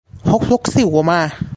ฮกลกซิ่วก็มา !